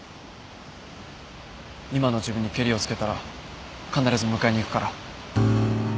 今の自分にけりをつけたら必ず迎えに行くから。